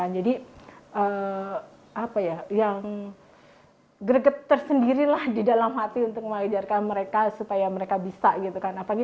jadi apa ya yang greget tersendiri lah di dalam hati untuk mengajarkan mereka supaya mereka bisa